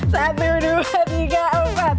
satu dua tiga empat